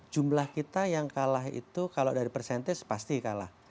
jumlah kita yang kalah itu kalau dari persentis pasti kalah